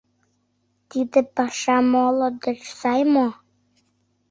— Тиде паша моло деч сай мо?